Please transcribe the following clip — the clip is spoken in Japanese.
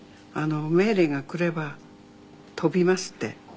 「命令が来れば飛びます」って。